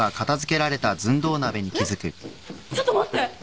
えっちょっと待って！